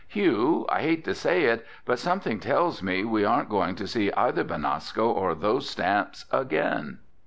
"Hugh, I hate to say it, but something tells me we aren't going to see either Benasco or those stamps again."